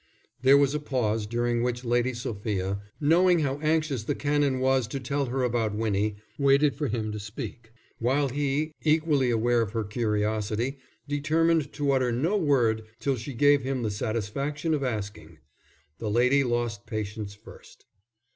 There was a pause, during which Lady Sophia, knowing how anxious the Canon was to tell her about Winnie, waited for him to speak; while he, equally aware of her curiosity, determined to utter no word till she gave him the satisfaction of asking. The lady lost patience first.